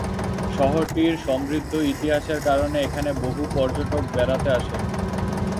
শহরটির সমৃদ্ধ ইতিহাসের কারণে এখানে বহু পর্যটক বেড়াতে আসেন।